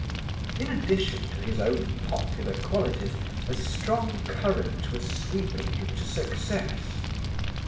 In addition to his own popular qualities a strong current was sweeping him to success.